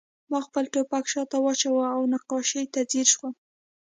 ما خپل ټوپک شاته واچاوه او نقاشۍ ته ځیر شوم